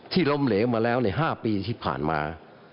ที่ลงเหลอมาแล้วใน๕ปีที่ผ่านมา